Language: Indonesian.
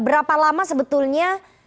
berapa lama sebetulnya